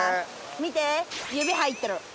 見て指入ってる。